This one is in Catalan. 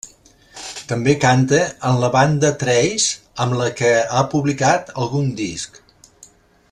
També canta en la banda Trace, amb la que ha publicat algun disc.